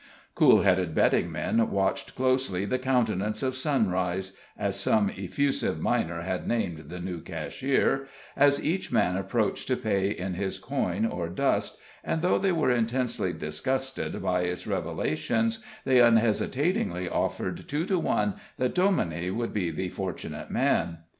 Cool headed betting men watched closely the countenance of Sunrise (as some effusive miner had named the new cashier) as each man approached to pay in his coin or dust, and though they were intensely disgusted by its revelations, they unhesitatingly offered two to one that Dominie would be the fortunate man.